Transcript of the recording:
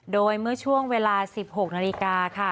โดยเมื่อช่วงเวลา๑๖นาฬิกาค่ะ